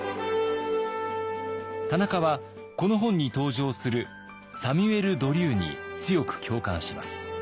田中はこの本に登場するサミュエル・ドリューに強く共感します。